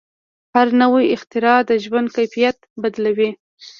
هره نوې اختراع د ژوند کیفیت بدلوي.